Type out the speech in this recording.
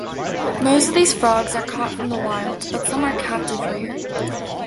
Most of these frogs are caught from the wild, but some are captive-reared.